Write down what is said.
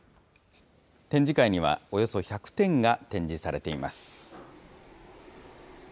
展示会には、およそ１００点が展示されています。